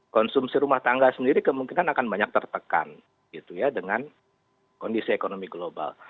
konsumsi rumah tangga sendiri kemungkinan akan banyak tertekan gitu ya dengan kondisi ekonomi global